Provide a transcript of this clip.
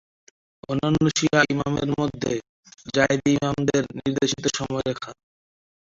অন্যান্য শিয়া ইমামের মধ্যে জায়েদি ইমামদের নির্দেশিত সময়রেখা।